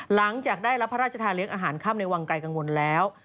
หลังจากได้รับพระราชทานเลี้ยงอาหารค่ำในวังไกลกังวลแล้ว